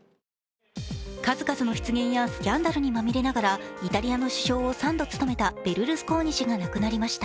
数々の失言やスキャンダルにまみれながらイタリアの首相を３度務めたベルルスコーニ氏が亡くなりました。